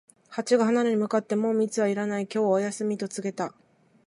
ハチが花に向かって、「もう蜜はいらない、今日はお休み」と告げた。